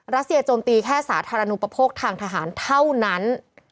รัสเซียโจมตีแค่สาธารณูปโภคทางทหารเท่านั้น